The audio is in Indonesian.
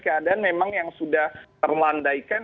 keadaan memang yang sudah terlandaikan